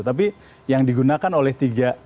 tapi yang digunakan oleh tiga